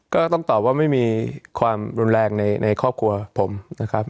ก็ต้องตอบว่าไม่มีความรุนแรงในครอบครัวผมนะครับ